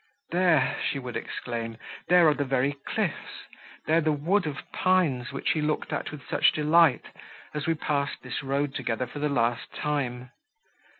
"There!" she would exclaim, "there are the very cliffs, there the wood of pines, which he looked at with such delight, as we passed this road together for the last time.